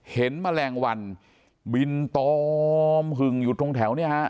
แมลงวันบินตอมหึงอยู่ตรงแถวเนี่ยฮะ